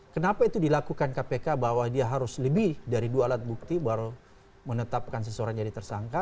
kenapa itu dilakukan kpk bahwa dia harus lebih dari dua alat bukti baru menetapkan seseorang jadi tersangka